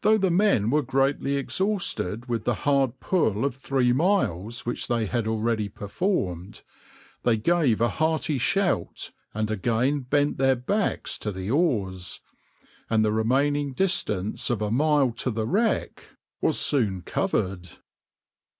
Though the men were greatly exhausted with the hard pull of three miles which they had already performed, they gave a hearty shout and again bent their backs to the oars, and the remaining distance of a mile to the wreck was soon covered.